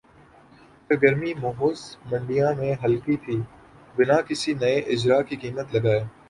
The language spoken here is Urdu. سرگرمی ماخوذ منڈیوں میں ہلکی تھِی بِنا کسی نئے اجراء کی قیمت لگائے